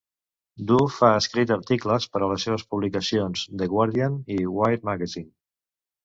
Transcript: Duff ha escrit articles per a les publicacions "The Guardian" i "Wire Magazine".